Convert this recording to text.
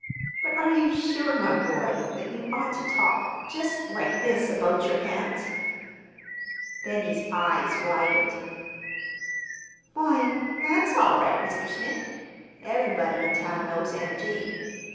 "But are you sure, my boy, that you ought to talk—just like this, about your aunt?" Benny's eyes widened. "Why, that's all right, Mr. Smith. Ev'rybody in town knows Aunt Jane.